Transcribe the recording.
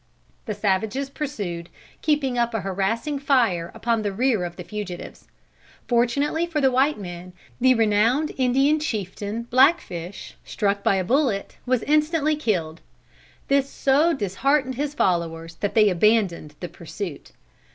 The savages pursued, keeping up a harassing fire upon the rear of the fugitives. Fortunately for the white men, the renowned Indian chieftain Blackfish, struck by a bullet, was instantly killed. This so disheartened his followers, that they abandoned the pursuit.